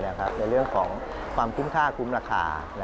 ในเรื่องของความคุ้มค่าคุ้มราคา